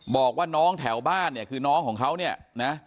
บอกว่าน้องแถวบ้านเนี่ยคือน้องของเขาเนี่ยนะ